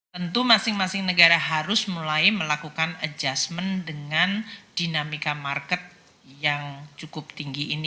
tentu masing masing negara harus mulai melakukan adjustment dengan dinamika market yang cukup tinggi ini